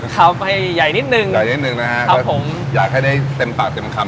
เข้าไปใหญ่นิดนึงใหญ่นิดนึงนะฮะครับผมอยากให้ได้เต็มปากเต็มคำ